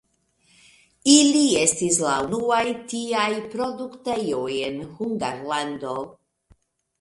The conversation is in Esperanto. Ili estis la unuaj tiaj produktejoj en Hungarlando.